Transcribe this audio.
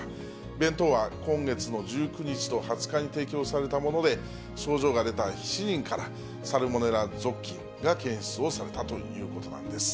弁当は今月の１９日と２０日に提供されたもので、症状が出た７人から、サルモネラ属菌が検出をされたということなんです。